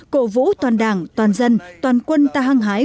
cổ vũ toàn đảng toàn dân toàn quân ta hăng hái